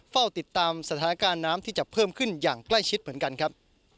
เฝ้าติดตามสถานการณ์น้ำที่จะเพิ่มขึ้นอย่างใกล้ชิดเหมือนกันครับ